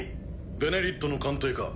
「ベネリット」の艦艇か？